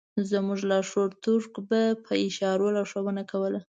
زموږ لارښود تُرک به په اشارو لارښوونه کوله.